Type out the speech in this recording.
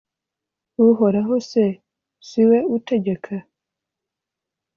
Uhoraho se, si we utegeka?